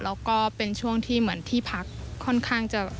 แล้วก็เป็นช่วงที่เหมือนที่พักค่อนข้างจะ